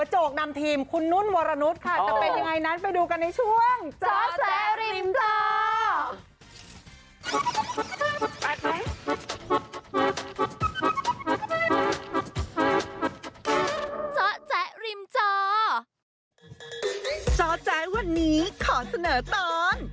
เจ้าแจ๊ะวันนี้ขอเสนอตอน